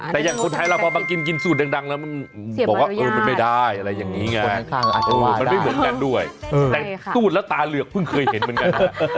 แต่อย่างสุดท้ายเราผ่านกินสูตรดังก็ไม่เหมือนกันเพิ่งเพิ่งเห็นกัน